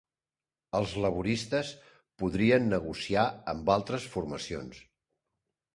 Els laboristes podrien negociar amb altres formacions